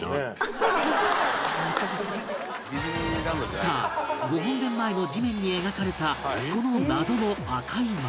さあ御本殿前の地面に描かれたこの謎の赤い丸